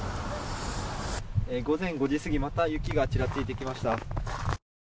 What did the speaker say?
午前５時過ぎまた雪がちらついてきました。